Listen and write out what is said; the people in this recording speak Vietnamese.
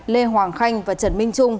lê hoàng khanh và trần minh trung